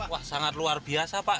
wah sangat luar biasa pak